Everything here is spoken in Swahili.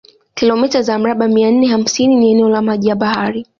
kilomita za mraba mia nne hamsini ni eneo la maji ya bahari